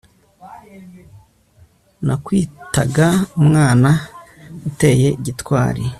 nakwitaga umwana uteye gitwari